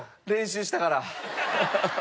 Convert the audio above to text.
練習したから。